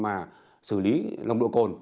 mà xử lý nồng độ cồn